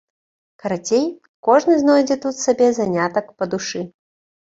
Карацей, кожны знойдзе тут сабе занятак па душы.